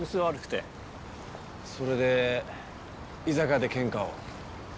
それで居酒屋で喧嘩を？